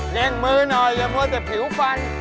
แย่งมือหน่อยอย่าพูดแต่ผิวฟัน